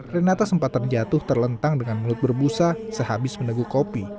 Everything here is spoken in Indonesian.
renata sempat terjatuh terlentang dengan mulut berbusa sehabis meneguh kopi